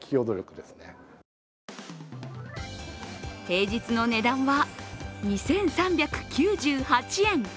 平日の値段は２３９８円。